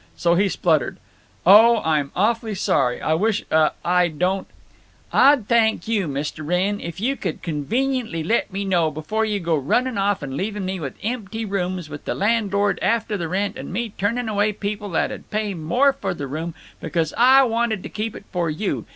So he spluttered: "Oh, I'm awfully sorry. I wish—uh—I don't—" "Ah'd thank you, Mist' Wrenn, if you could conveniently let me know before you go running off and leaving me with empty rooms, with the landlord after the rent, and me turning away people that 'd pay more for the room, because Ah wanted to keep it for you.